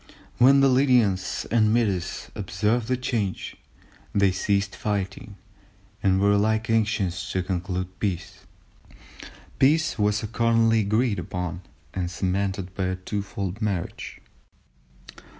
When the Lydians and Medes observed the change they ceased fighting, and were alike anxious to conclude peace." Peace was accordingly agreed upon and cemented by a twofold marriage.